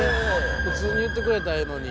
普通に言ってくれたらええのに。